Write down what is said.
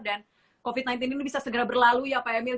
dan covid sembilan belas ini bisa segera berlalu ya pak emil